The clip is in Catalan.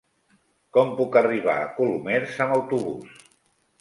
Com puc arribar a Colomers amb autobús?